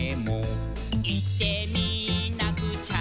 「いってみなくちゃ」